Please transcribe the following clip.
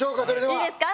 いいですか。